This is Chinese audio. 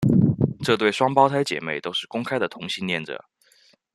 这对双胞胎姐妹都是公开的同性恋者。